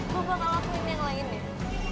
gue bakal lakuin yang lain bel